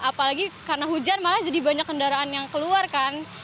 apalagi karena hujan malah jadi banyak kendaraan yang keluar kan